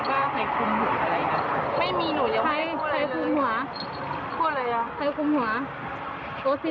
กลับไปจนกล้อแล้วไปตามคลิปลงต่อครั้งนี้